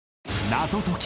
『謎解き！